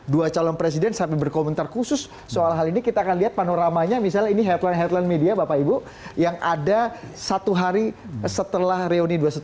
dua calon presiden sampai berkomentar khusus soal hal ini kita akan lihat panoramanya misalnya ini headline headline media bapak ibu yang ada satu hari setelah reuni dua ratus dua belas